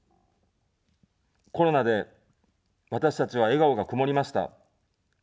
コロナで私たちは笑顔が曇りました。